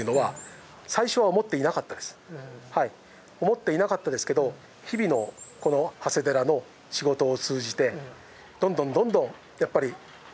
思っていなかったですけど日々のこの長谷寺の仕事を通じてどんどんどんどんやっぱり信仰心が強くなった。